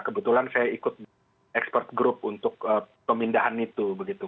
kebetulan saya ikut expert group untuk pemindahan itu